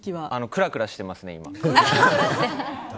くらくらしてますね。